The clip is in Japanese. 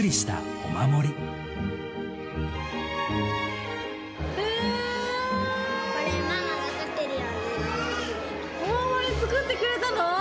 お守り作ってくれたの？